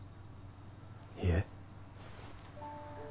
いえ。